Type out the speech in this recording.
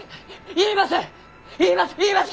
言います！